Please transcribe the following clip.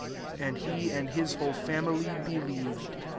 And he, and his whole fomily, believed.